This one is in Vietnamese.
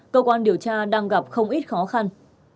cơ quan điều tra đang gặp không ít khó khăn